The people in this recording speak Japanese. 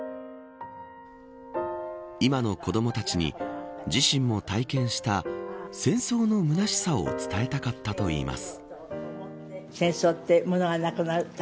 今の子どもたちに自身も体験した戦争のむなしさを伝えたかったといいます。